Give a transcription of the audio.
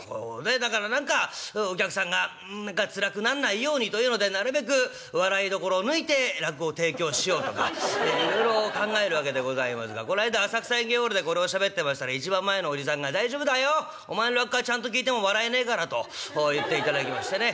だから何かお客さんがつらくなんないようにというのでなるべく笑いどころを抜いて落語を提供しようとかいろいろ考えるわけでございますがこの間浅草演芸ホールでこれをしゃべってましたら一番前のおじさんが「大丈夫だよお前の落語はちゃんと聴いても笑えねえから」と言っていただきましてね